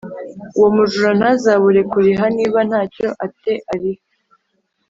Uwo mujura ntazabure kuriha Niba nta cyo a te ariha